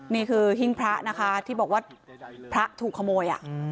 นี่คือหิ้งพระนะคะที่บอกว่าพระถูกขโมย